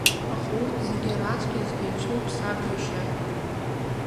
Аха урҭ зегьы раҵкьыс деицәоуп саб иашьа.